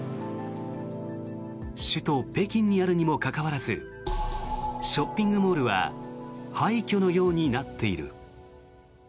首都・北京にあるにもかかわらずショッピングモールは廃虚のようになっている。